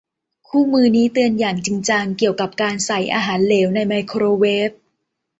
คู่มือนี้เตือนอย่างจริงจังเกี่ยวกับการใส่อาหารเหลวในไมโครเวฟ